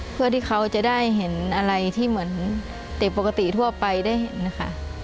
เพื่อที่เขาจะได้เห็นอะไรที่เหมือนเด็กปกติทั่วไปได้เห็นนะคะ